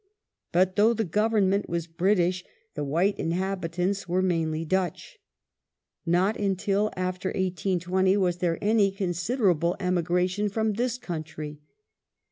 But though the Government was British, the white inhabitants were mainly Dutch. Not until after 1820 was there any considerable emigration from this country.